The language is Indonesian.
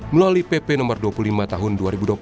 melalui pp no dua puluh lima tahun dua ribu dua puluh